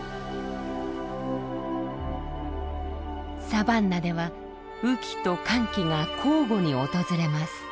サバンナでは雨季と乾季が交互に訪れます。